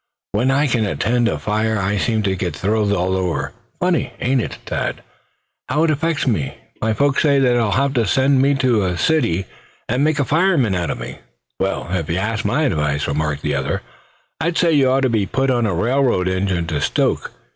When I can attend a fire I seem to thrill all over. Funny, ain't it, Thad, how it affects me? My folks say they'll have to send me to the city, and make a fireman out of me." "Well, if they asked my advice," remarked the other, "I'd say you ought to be put on a railroad engine to stoke.